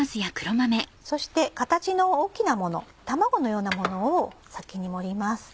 そして形の大きなもの卵のようなものを先に盛ります。